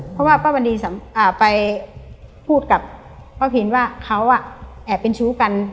เพราะว่าป้าวันดีไปพูดกับป้าพินว่าเขาแอบเป็นชู้กัน